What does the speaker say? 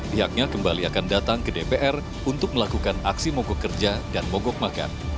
pihaknya kembali akan datang ke dpr untuk melakukan aksi mogok kerja dan mogok makan